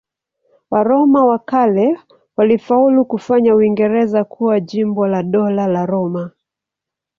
Waroma wa kale walifaulu kufanya Uingereza kuwa jimbo la Dola la Roma.